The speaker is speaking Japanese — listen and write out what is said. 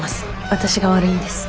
私が悪いんです。